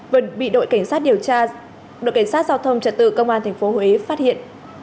vẫn bị đội cảnh sát giao thông trật tự công an tp huế phát hiện